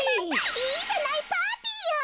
いいじゃないパーティーよ！